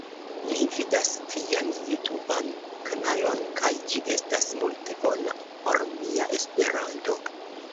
Mi vidas vian jutuban kanalon kaj ĝi estas multe bona por mia Esperanto